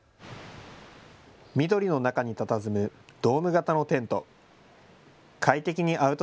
緑の中にたたずむドーム形のテント。